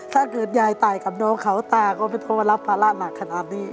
ถ้าเกิดยายตายกับน้องเขาตาก็ไม่เพราะว่ารับภาระหนักขนาดนี้